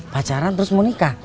pacaran terus mau nikah